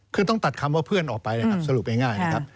คือต้องตัดคำว่าเพื่อนออกไปนะครับสรุปง่ายนะครับ